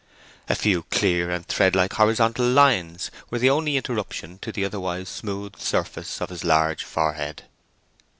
A few clear and thread like horizontal lines were the only interruption to the otherwise smooth surface of his large forehead.